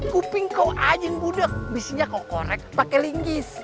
kuping kau anjing budeg bisinya kau korek pakai linggis